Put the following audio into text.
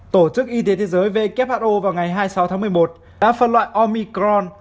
tổ chức y tế thế giới who vào ngày hai mươi sáu tháng một mươi một đã phân loại omicron